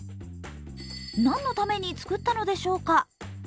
何のために作ったのでしょうか。